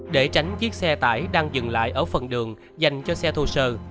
để tránh chiếc xe tải đang dừng lại ở phần đường dành cho xe thô sơ